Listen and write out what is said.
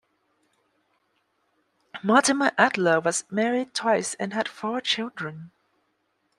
Mortimer Adler was married twice and had four children.